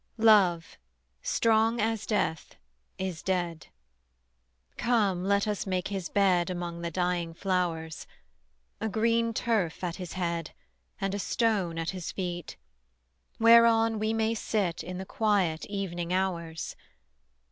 Love, strong as Death, is dead. Come, let us make his bed Among the dying flowers: A green turf at his head; And a stone at his feet, Whereon we may sit In the quiet evening hours.